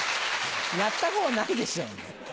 やったことないでしょう。